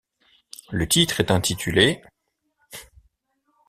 Le titre est intitulé '.